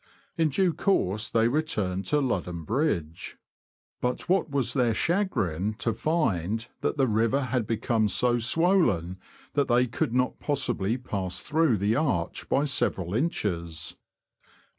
In due course they returned to Ludham Bridge. But what was their chagrin to find that the river had become so swollen that they UP THE ANT, TO BARTON AND STALHAM. 155 could not possibly pass through the arch by several inches